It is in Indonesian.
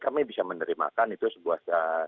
kami bisa menerimakan itu sebuah